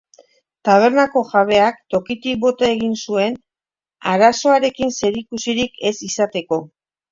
Tabernako jabeak tokitik bota egin zuen, arazoarekin zerikusirik ez izateko.